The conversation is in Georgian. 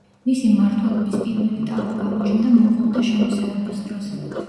მისი მმართველობის პირველი ტალღა გამოჩნდა მონღოლთა შემოსევების დროს.